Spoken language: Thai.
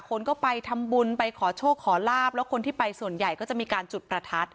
คนก็ไปทำบุญไปขอโชคขอลาบแล้วคนที่ไปส่วนใหญ่ก็จะมีการจุดประทัด